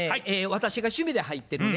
私が趣味で入ってるね